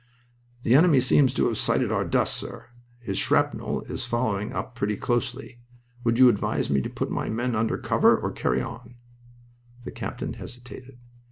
"The enemy seems to have sighted our dust, sir. His shrapnel is following up pretty closely. Would you advise me to put my men under cover, or carry on?" The captain hesitated.